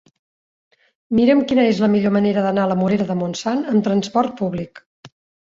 Mira'm quina és la millor manera d'anar a la Morera de Montsant amb trasport públic.